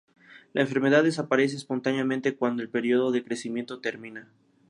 La enfermedad desaparece espontáneamente cuando el periodo de crecimiento termina.